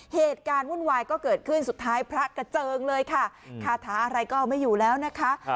เหตุการณ์วุ่นวายก็เกิดขึ้นสุดท้ายพระกระเจิงเลยค่ะคาถาอะไรก็ไม่อยู่แล้วนะคะ